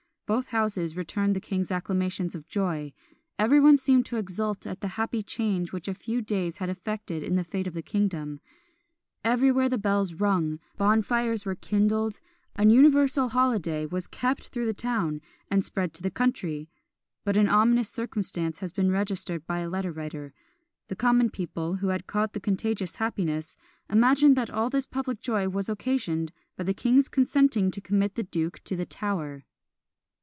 Both houses returned the king acclamations of joy; everyone seemed to exult at the happy change which a few days had effected in the fate of the kingdom. Everywhere the bells rung, bonfires were kindled, an universal holiday was kept through the town, and spread to the country: but an ominous circumstance has been registered by a letter writer; the common people, who had caught the contagious happiness, imagined that all this public joy was occasioned by the king's consenting to commit the duke to the Tower!